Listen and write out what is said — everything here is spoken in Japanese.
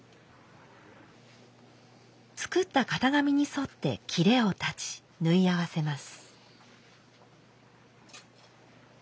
作った型紙にそって裂を裁ち縫い合わせます。